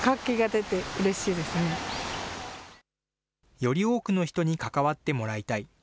より多くの人に関わってもらいたい。